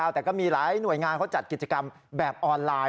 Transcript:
แต่ก็มีหลายหน่วยงานเขาจัดกิจกรรมแบบออนไลน์